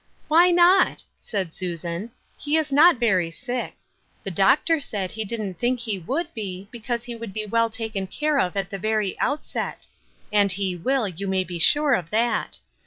" Why not ?" said Susan. *' He is not very sick. The doctor said he didn't think he would be, because he would be well taken care of at the very outset ; and he will, you may be sure of that.